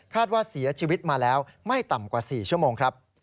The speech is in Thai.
ว่าเสียชีวิตมาแล้วไม่ต่ำกว่า๔ชั่วโมงครับ